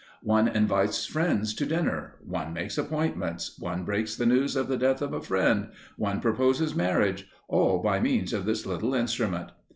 One invites friends to dinner, one makes appointments, one breaks the news of the death of a friend, one proposes marriage all by means of this little instrument.